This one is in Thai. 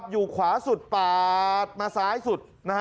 อยู่ขวาสุดมาศ้ายสุด